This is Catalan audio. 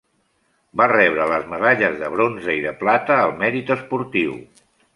Va rebre les medalles de bronze i de plata al mèrit esportiu.